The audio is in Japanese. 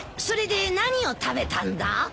それで何を食べたんだ？